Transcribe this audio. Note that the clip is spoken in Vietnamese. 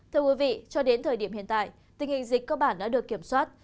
thưa quý vị cho đến thời điểm hiện tại tình hình dịch cơ bản đã được kiểm soát